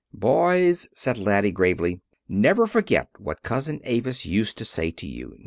"Boys," said Laddie gravely, "never forget what Cousin Avis used to say to you.